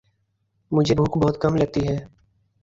مجھے بھوک بہت کم لگتی ہے